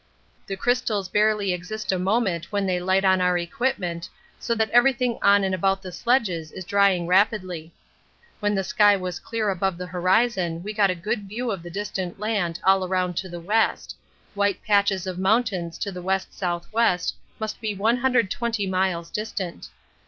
The crystals barely exist a moment when they light on our equipment, so that everything on and about the sledges is drying rapidly. When the sky was clear above the horizon we got a good view of the distant land all around to the west; white patches of mountains to the W.S.W. must be 120 miles distant.